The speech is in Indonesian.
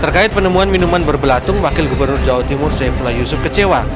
terkait penemuan minuman berbelatung wakil gubernur jawa timur saifullah yusuf kecewa